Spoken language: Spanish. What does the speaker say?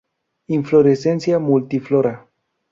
Inflorescencia multiflora.